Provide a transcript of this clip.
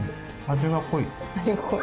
味が濃い？